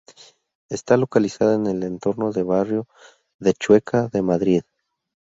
Está localizada en el entorno de barrio de Chueca de Madrid.